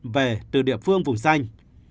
về từ địa phương vùng xanh